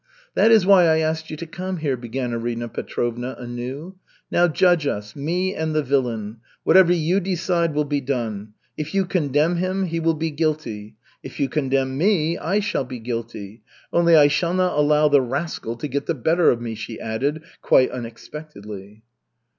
"That is why I asked you to come here," began Arina Petrovna anew. "Now judge us, me and the villain. Whatever you decide will be done. If you condemn him, he will be guilty. If you condemn me, I shall be guilty. Only I shall not allow the rascal to get the better of me," she added, quite unexpectedly.